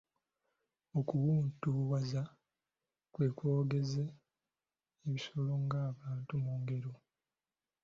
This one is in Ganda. Okuwuntuwaza kwe kwogeza ebisolo ng'abantu mu ngero.